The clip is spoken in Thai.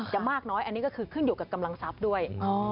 มากน้อยอันนี้ก็คือขึ้นอยู่กับกำลังทรัพย์ด้วย